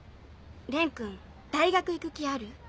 蓮君大学行く気ある？